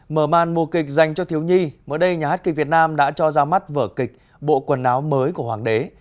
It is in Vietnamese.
mở màn mùa kịch dành cho thiếu nhi mới đây nhà hát kịch việt nam đã cho ra mắt vở kịch bộ quần áo mới của hoàng đế